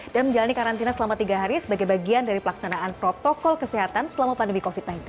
dan menjalani karantina selama tiga hari sebagai bagian dari pelaksanaan protokol kesehatan selama pandemi covid sembilan belas